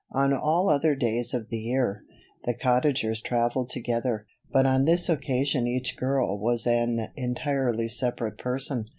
On all other days of the year, the Cottagers traveled together; but on this occasion each girl was an entirely separate person.